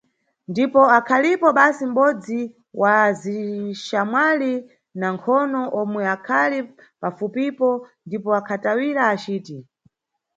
Ndipo akhalipo basi mʼbodzi wa azixamwali wa nkhono omwe akhali pafupipo ndipo akhatawira aciti.